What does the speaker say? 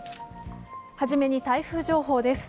初めに台風情報です。